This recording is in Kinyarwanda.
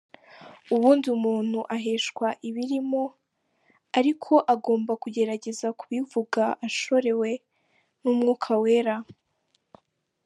Ubundi umuntu aheshwa ibirimo, ariko agomba kugerageza kubivuga ashorewe n’Umwuka Wera.